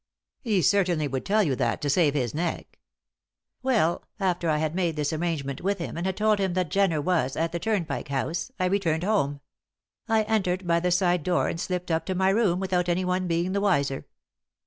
"He certainly would tell you that to save his neck!" "Well, after I had made this arrangement with him and had told him that Jenner was at the Turnpike House, I returned home. I entered by the side door and slipped up to my room without anyone being the wiser."